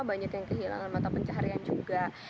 banyak yang kehilangan mata pencaharian juga